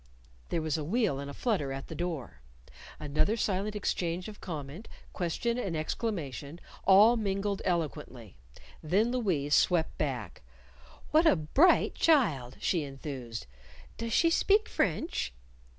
There was a wheel and a flutter at the door another silent exchange of comment, question and exclamation, all mingled eloquently. Then Louise swept back. "What a bright child!" she enthused. "Does she speak French?"